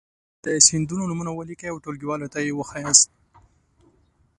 د سیندونو نومونه ولیکئ او ټولګیوالو ته یې وښایاست.